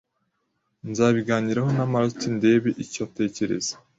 Nzabiganiraho na Marty ndebe icyo atekereza